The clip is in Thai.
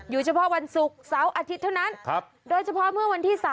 เฉพาะวันศุกร์เสาร์อาทิตย์เท่านั้นโดยเฉพาะเมื่อวันที่๓